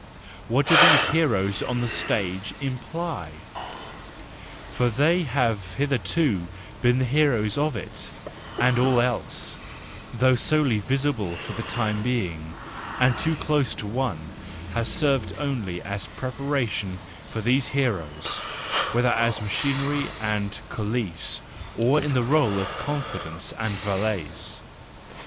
What do these heroes on this stage imply ? For they have hitherto been the heroes of it, and all else, though solely visible for the time being, and too close to one, has served only as preparation for these heroes, whether as machinery and coulisse, or in the rdle of confidants and valets.